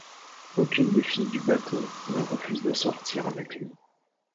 Aucune des filles du bateau ne refuse de sortir avec lui.